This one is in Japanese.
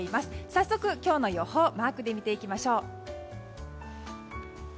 早速、今日の予報マークで見ていきましょう。